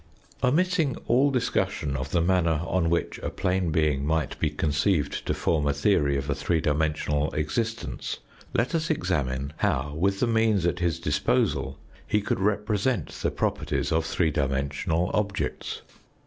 Omitting all discussion of the manner on which a plane being might be conceived to form a theory of a three dimensional existence, let us examine how, with the means at his disposal, he could represent the properties of three dimensional objects.